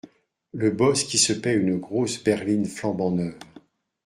Le boss qui se paie une grosse berline flambant neuve